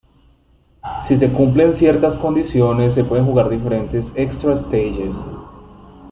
Si se cumplen ciertas condiciones, se pueden jugar diferentes Extra Stages.